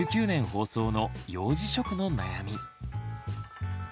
放送の「幼児食の悩み」。